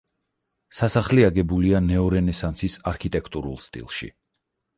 სასახლე აგებულია ნეორენესანსის არქიტექტურულ სტილში.